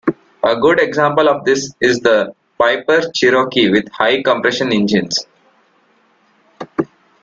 A good example of this is the Piper Cherokee with high-compression engines.